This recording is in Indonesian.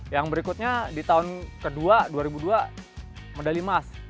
yang berikutnya di tahun kedua dua ribu dua medali emas